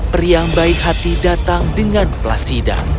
peri yang baik hati datang dengan placida